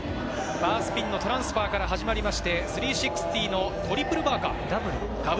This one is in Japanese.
バースピンのトランスファーから始まりまして３６０のトリプルバダブル。